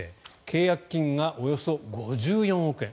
契約金がおよそ５４億円。